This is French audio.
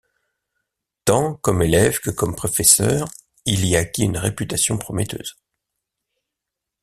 Tant comme élève que comme professeur, il y acquit une réputation prometteuse.